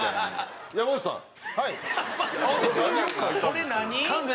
これ何？